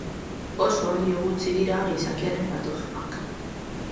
Oso onddo gutxi dira gizakiaren patogenoak.